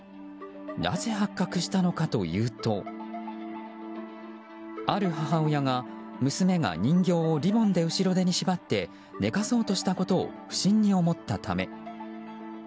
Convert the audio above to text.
なぜ発覚したのかというとある母親が娘が人形をリボンを後ろ手に縛って寝かそうとしたことを不審に思ったため。